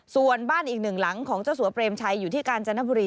ส่วนบ้านอีกหนึ่งหลังของเจ้าสัวเปรมชัยอยู่ที่กาญจนบุรี